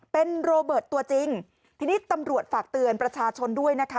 เป็นโรเบิร์ตตัวจริงทีนี้ตำรวจฝากเตือนประชาชนด้วยนะคะ